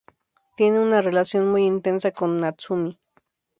Tiene una relación muy intensa con Natsumi.